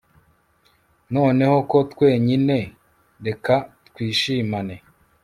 Noneho ko twenyine reka twishimane